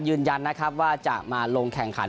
ยืนยันว่าจะมาลงแข่งขัน